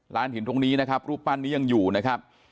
หินตรงนี้นะครับรูปปั้นนี้ยังอยู่นะครับ